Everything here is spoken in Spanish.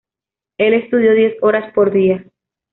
Él estudió diez horas por día.